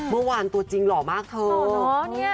เมื่อวานตัวจริงหล่อมากเถอะ